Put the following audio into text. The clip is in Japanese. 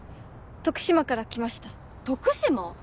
徳島から来ました徳島！？